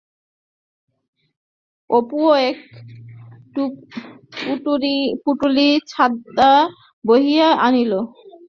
অপুও এক পুটুলি ছাঁদা বহিয়া আনিল।